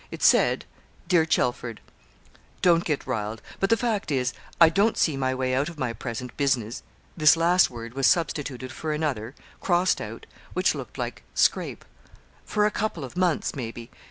It said 'DEAR CHELFORD, 'Don't get riled; but the fact is I don't see my way out of my present business' (this last word was substituted for another, crossed out, which looked like 'scrape') 'for a couple of months, maybe.